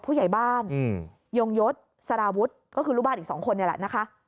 ผู้ใหญ่บ้านยงยศสารวุฒิก็คือลูกบ้านอีก๒คนนี่แหละนะคะ